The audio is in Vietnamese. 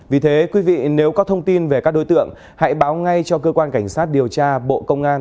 vì thế quý vị nếu có thông tin về các đối tượng hãy báo ngay cho cơ quan cảnh sát điều tra bộ công an